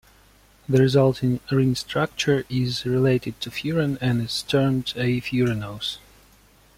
The resulting ring structure is related to furan, and is termed a furanose.